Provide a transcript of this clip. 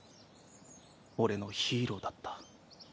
俺のヒーローだった。